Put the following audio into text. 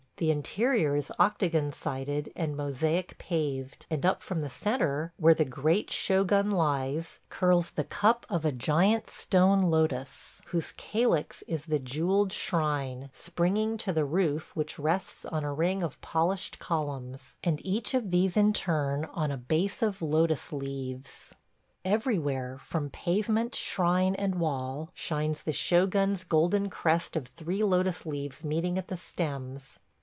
... The interior is octagon sided and mosaic paved, and up from the centre, where the great shogun lies, curls the cup of a giant stone lotus, whose calyx is the jewelled shrine, springing to the roof which rests on a ring of polished columns, and each of these in turn on a base of lotus leaves. Everywhere, from pavement, shrine, and wall, shines the shogun's golden crest of three lotus leaves meeting at the stems.